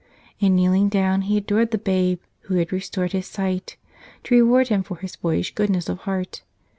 And kneeling down he adored the Babe Who had restored his sight to reward him for his boyish good¬ ness of heart.